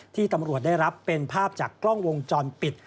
ที่ตำรวจได้รับเป็นภาพจากกล้องวงจรปิด